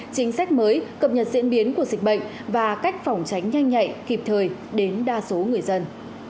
chính sách mới cập nhật diễn biến của dịch bệnh và cách phòng tránh nhanh nhạy kịp thời đến đa số người dân